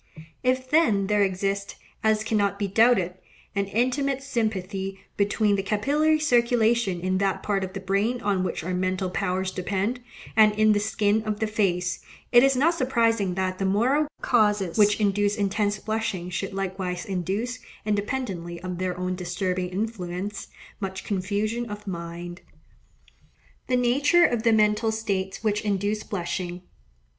If, then, there exists, as cannot be doubted, an intimate sympathy between the capillary circulation in that part of the brain on which our mental powers depend, and in the skin of the face, it is not surprising that the moral causes which induce intense blushing should likewise induce, independently of their own disturbing influence, much confusion of mind. The Nature of the Mental States which induce Blushing.